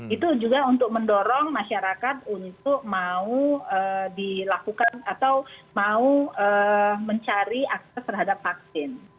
itu juga untuk mendorong masyarakat untuk mau dilakukan atau mau mencari akses terhadap vaksin